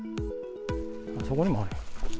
そこにもある。